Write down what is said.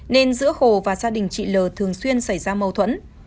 nên giữa hồ và gia đình chị l thường xuyên xảy ra mâu thuẫn